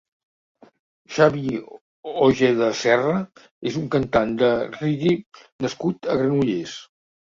Xavi Ojeda Serra és un cantant de reggae nascut a Granollers.